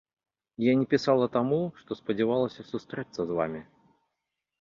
Я не пісала таму, што спадзявалася сустрэцца з вамі.